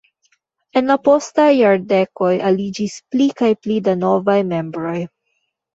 En la postaj jardekoj aliĝis pli kaj pli da novaj membroj.